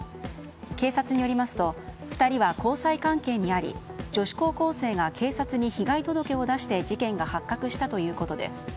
警察によりますと２人は交際関係にあり女子高校生が警察に被害届を出して事件が発覚したということです。